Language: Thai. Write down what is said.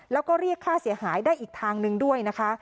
แล้วก็เรียกค่าเสียหายได้อีกทางหนึ่งด้วยนะคะ